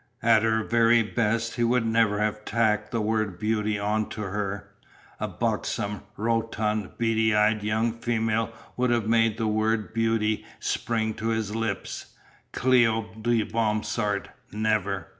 At her very best he would never have tacked the word beauty on to her; a buxom, rotund, beady eyed young female would have made the word beauty spring to his lips Cléo de Bromsart, never.